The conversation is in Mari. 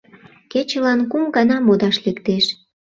Кечылан кум гана модаш лектеш